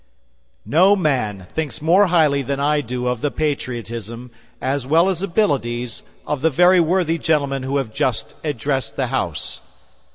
No man thinks more highly than I do of the patriotism, as well as abilities, of the very worthy gentlemen who have just addressed the House.